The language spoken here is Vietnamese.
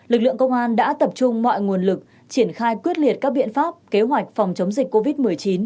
lực lượng công an đã tập trung mọi nguồn lực triển khai quyết liệt các biện pháp kế hoạch phòng chống dịch covid một mươi chín